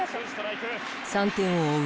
３点を追う